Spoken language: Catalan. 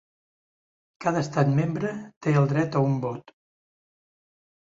Cada estat membre té el dret a un vot.